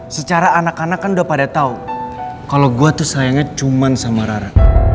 secara anak anak kan udah pada tau kalo gua tuh sayangnya cuma sama rara